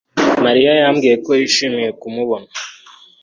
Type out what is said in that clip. mariya yambwiye ko yishimiye kumbona